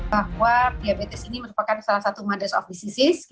bahwa diabetes ini merupakan salah satu mother of diseases